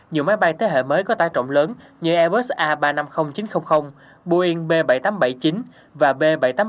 nhiều máy bay thế hệ mới có tái trọng lớn như airbus a ba trăm năm mươi chín trăm linh boeing b bảy trăm tám mươi bảy chín và b bảy trăm tám mươi bảy một mươi